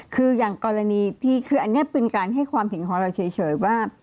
คืออย่างกรณีพี่คืออันนี้เป็นการให้ความเห็นของเราเฉยว่า